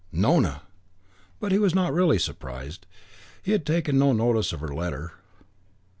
Nona! But he was not really surprised. He had taken no notice of her letter.